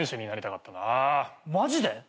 マジで？